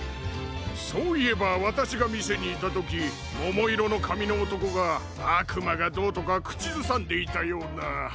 そういえばわたしがみせにいたときももいろのかみのおとこがあくまがどうとかくちずさんでいたような。